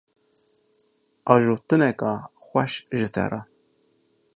Ajotineka xweş ji te re!